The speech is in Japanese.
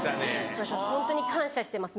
ホントに感謝してます